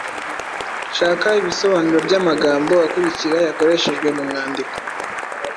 Shaka ibisobanuro by’amagambo akurikira yakoreshejwe mu mwandiko: